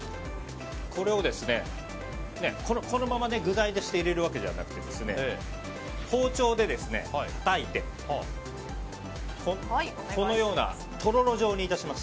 これをこのまま具材として入れるわけじゃなくて包丁でたたいてこのようなとろろ状にいたします。